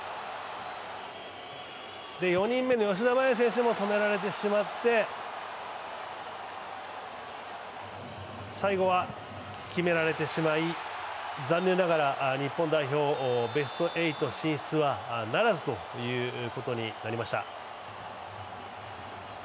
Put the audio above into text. ４人目の吉田麻也選手も止められてしまって、最後は決められてしまい残念ながら日本代表、ベスト８進出はならずということになりました。